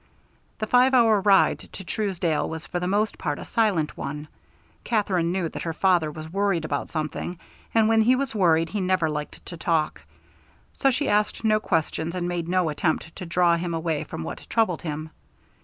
The five hour ride to Truesdale was for the most part a silent one. Katherine knew that her father was worried about something, and when he was worried he never liked to talk, so she asked no questions and made no attempt to draw him away from what troubled him.